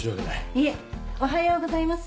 いえおはようございます。